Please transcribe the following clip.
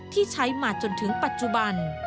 ที่ใช้มาจนถึงปัจจุบัน